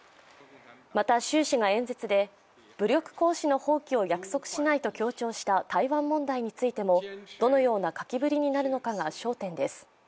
また習氏が演説で武力行使の放棄を約束しないと強調した台湾問題についてもどのような書きぶりになるのかが焦点です。